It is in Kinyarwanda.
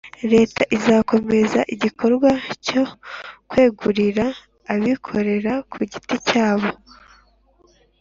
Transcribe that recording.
leta izakomeza igikorwa cyo kwegurira abikorera ku giti cyabo